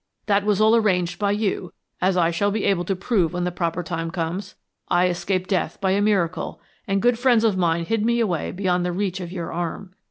That was all arranged by you, as I shall be able to prove when the proper time comes. I escaped death by a miracle, and good friends of mine hid me away beyond the reach of your arm.